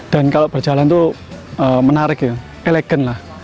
dan kalau berjalan tuh menarik ya elegan lah